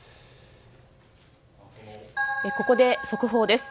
ここで速報です。